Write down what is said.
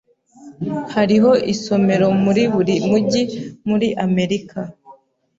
Hariho isomero muri buri mujyi muri Amerika